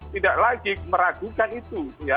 tidak lagi meragukan itu